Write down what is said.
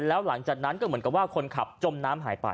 แล้วหลังจากนั้นก็เหมือนกับว่าคนขับจมน้ำหายไป